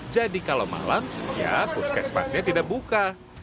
jadi kalau malam ya puskesmasnya tidak buka